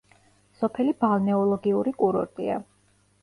სოფელი ბალნეოლოგიური კურორტია.